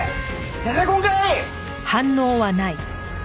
出てこんかい！